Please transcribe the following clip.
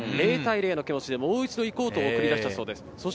０対０の気持ちでもう一度行こうと送り出したそうです。